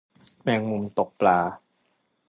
แมงมุมตกปลา